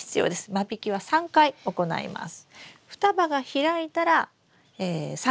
間引きは３回行います。